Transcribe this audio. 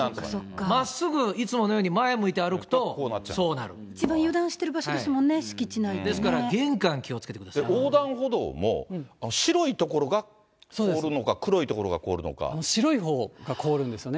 真っすぐいつものように前向いて歩くと、一番油断してる場所ですもんですから、玄関気をつけてく横断歩道も白い所が凍るのか、白いほうが凍るんですよね。